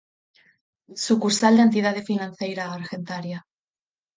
Sucursal da entidade financeira Argentaria